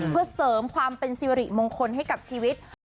เพื่อเสริมความเป็นสิริมงคลให้กับชีวิต